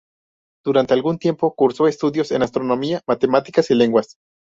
Durante algún tiempo cursó estudios en astronomía, matemáticas y lenguas.